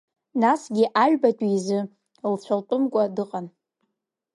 Насгьы аҩбатәи изы лцәа лтәымкәа дыҟан.